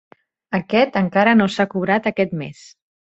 Aquest encara no s'ha cobrat aquest mes.